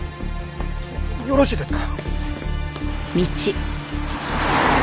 よろしいですか？